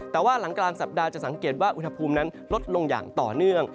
แต่ว่าหลังกลางสัปดาห์จะสังเกตว่าอุณหภูมินั้นลดลงอย่างต่อเนื่อง